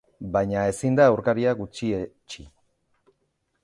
Baina ezin da aurkaria gutxietsi.